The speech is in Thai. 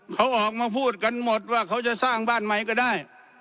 เขาออกมาพูดกันหมดว่าเขาจะสร้างบ้านใหม่ก็ได้